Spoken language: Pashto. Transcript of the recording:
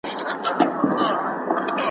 اوسېدلی نه په جبر نه په زور وو ,